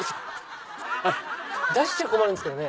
出しちゃ困るんすけどね。